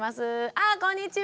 あこんにちは！